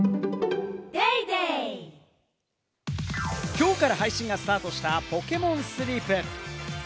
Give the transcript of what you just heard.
きょうから配信がスタートした『ポケモンスリープ』。